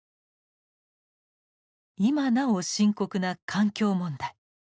今なお深刻な環境問題。